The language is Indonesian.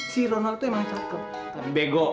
si ronald tuh emang cakep